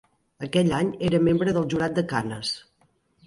Aquell any era membre del jurat de Canes.